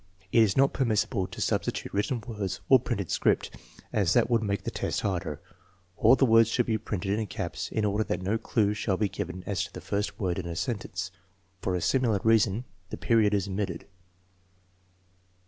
It is not permissible to substitute written words or printed script, as that would make the test harder. All the words should be printed in caps in order that no clue shall be given as to the first word in a sentence. For a similar reason the period is omitted.